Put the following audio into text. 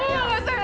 t dewi gak sengaja